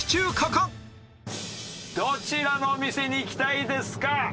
どちらのお店に行きたいですか？